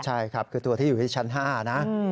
ใช่ครับคือตัวที่อยู่ที่ชั้น๕นะ